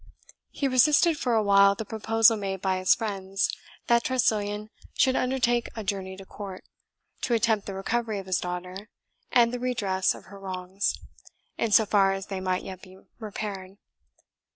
He resisted for a while the proposal made by his friends that Tressilian should undertake a journey to court, to attempt the recovery of his daughter, and the redress of her wrongs, in so far as they might yet be repaired.